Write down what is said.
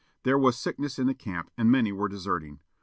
There was sickness in the camp, and many were deserting.